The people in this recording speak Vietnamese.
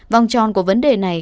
vòng tròn của vấn đề này quay lại